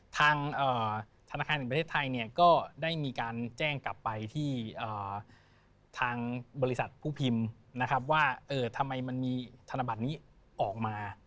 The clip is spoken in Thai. ทางธนาคารแห่งประเทศไทยเนี่ยก็ได้มีการแจ้งกลับไปที่ทางบริษัทผู้พิมพ์นะครับว่าทำไมมันมีธนบัตรนี้ออกมา